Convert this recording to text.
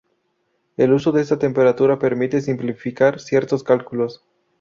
El uso de esta temperatura permite simplificar ciertos cálculos.